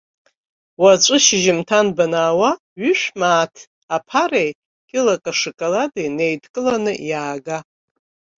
Уаҵәы шьыжьымҭан банаауа ҩышә мааҭ аԥареи кьылак ашоколади неидкыланы иаага.